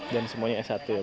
dan semuanya s satu ya